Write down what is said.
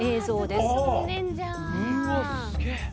うわっすげえ。